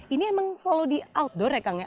ini emang selalu di outdoor ya kang ya